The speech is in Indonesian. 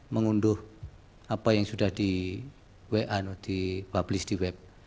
mengunduh apa yang sudah di wa atau di publish di web